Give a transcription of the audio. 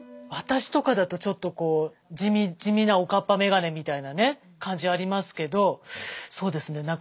私とかだとちょっとこう地味なおかっぱメガネみたいなね感じありますけどそうですね